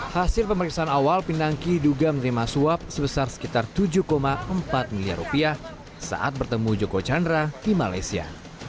hasil pemeriksaan awal pinangki duga menerima suap sebesar sekitar tujuh empat miliar rupiah saat bertemu joko chandra di malaysia